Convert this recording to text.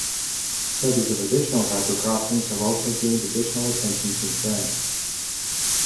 Studies of additional harbor crossings have also gained additional attention since then.